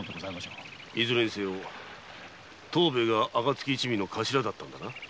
いずれにせよ藤兵衛は「暁一味」の頭だったのだな？